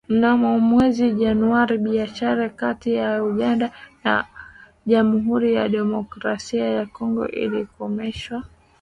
Mnamo mwezi Januari biashara kati ya Uganda na Jamuhuri ya Demokrasia ya Kongo ilikomeshwa